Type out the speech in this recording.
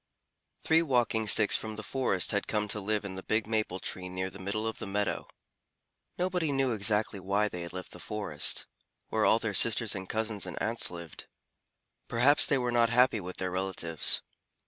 Three Walking Sticks from the forest had come to live in the big maple tree near the middle of the meadow. Nobody knew exactly why they had left the forest, where all their sisters and cousins and aunts lived. Perhaps they were not happy with their relatives.